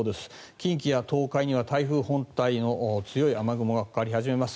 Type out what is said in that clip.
近畿や東海には台風本体の強い雨雲がかかり始めます。